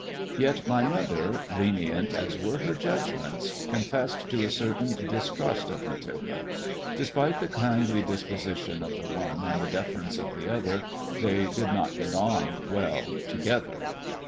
Yet my mother — lenient as were her judgments — con fessed to a certain distrust of Mathilde. Despite the kindly disposition of the one and the deference of the other, they did not get on well together.